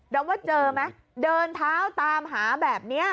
ว่าเจอไหมเดินเท้าตามหาแบบนี้